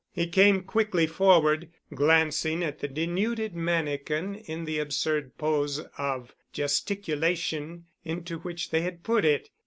He came quickly forward, glancing at the denuded mannikin in the absurd pose of gesticulation into which they had put it.